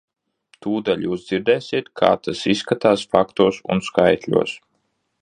Tūdaļ jūs dzirdēsit, kā tas izskatās faktos un skaitļos.